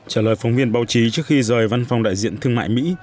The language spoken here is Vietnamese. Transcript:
trả lời phóng viên báo chí trước khi rời văn phòng đại diện thương mại mỹ